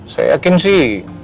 saya yakin sih